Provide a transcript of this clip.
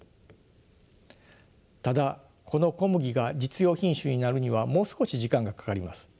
ただこの小麦が実用品種になるにはもう少し時間がかかります。